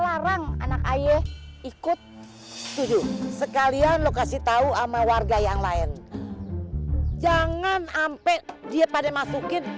larang anak ayah ikut tujuh sekalian lokasi tahu ama warga yang lain jangan ampel dia pada masukin